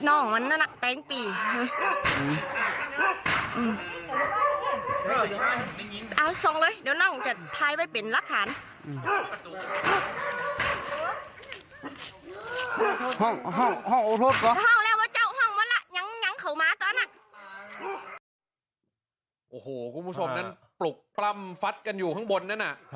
โอ้โหคุณผู้ชมนั้นปลุกปล้ำฟัดกันอยู่ข้างบนนั้นน่ะ